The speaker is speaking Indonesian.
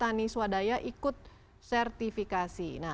bagaimana petani swadaya ikut sertifikasi